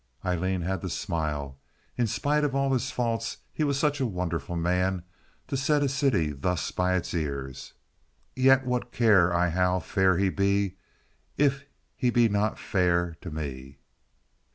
Aileen had to smile. In spite of all his faults he was such a wonderful man—to set a city thus by the ears. "Yet, what care I how fair he be, if he be not fair to me."